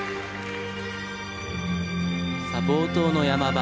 さあ冒頭の山場